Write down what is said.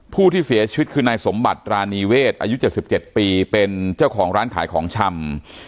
ผู้ที่เสียชีวิตคือนายสมบัติรานีเวศอายุ๗๗ปีเป็นเจ้าของร้านขายของชำ